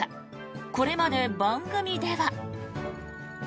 これまで番組では。